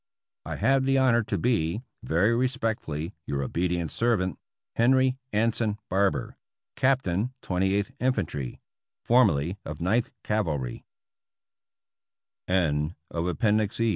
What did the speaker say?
I have the honor to be, Very respectfully. Your obedient servant, Henry Anson Barber, Captain Twenty Eighth Infantry, {formerly of Ninth Cav